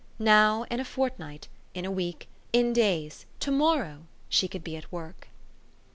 Now, in a fortnight, in a week, in days, to morrow, she could be at work.